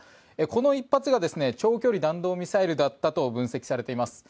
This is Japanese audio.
この１発が長距離弾道ミサイルだったと分析されています。